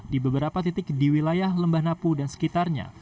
di beberapa titik di wilayah lembah napu dan sekitarnya